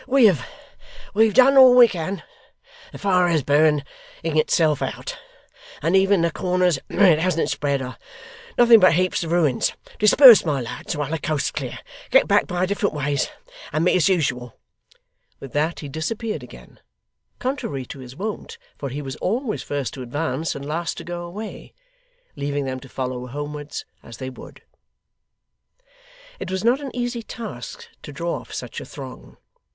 'We have done all we can; the fire is burning itself out; and even the corners where it hasn't spread, are nothing but heaps of ruins. Disperse, my lads, while the coast's clear; get back by different ways; and meet as usual!' With that, he disappeared again, contrary to his wont, for he was always first to advance, and last to go away, leaving them to follow homewards as they would. It was not an easy task to draw off such a throng.